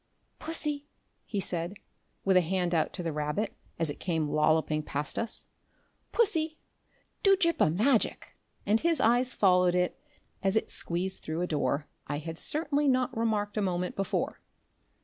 "Pussy!" he said, with a hand out to the rabbit as it came lolloping past us; "Pussy, do Gip a magic!" and his eyes followed it as it squeezed through a door I had certainly not remarked a moment before.